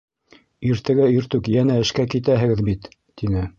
Иртәгә иртүк йәнә эшкә китәһегеҙ бит, -тине.